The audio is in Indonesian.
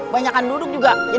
banyakan duduk juga jadi penyakit